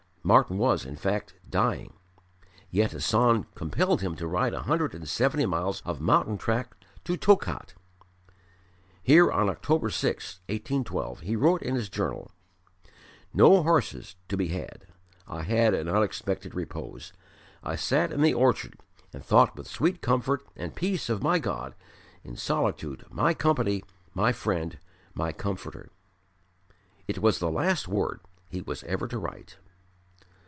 Martyn was, in fact, dying; yet Hassan compelled him to ride a hundred and seventy miles of mountain track to Tokat. Here, on October 6th, 1812, he wrote in his journal: "No horses to be had, I had an unexpected repose. I sat in the orchard and thought with sweet comfort and peace of my God in solitude my Company, my Friend, my Comforter." It was the last word he was ever to write.